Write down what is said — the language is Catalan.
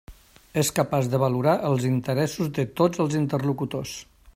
És capaç de valorar els interessos de tots els interlocutors.